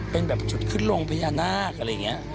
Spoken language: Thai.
เป็นแบบจุดขึ้นลงพญานาคอะไรอย่างนี้